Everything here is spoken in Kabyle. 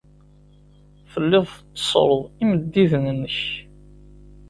Telliḍ tetteṣṣreḍ imeddiden-nnek.